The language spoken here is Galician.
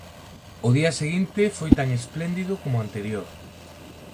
O día seguinte foi tan espléndido coma o anterior.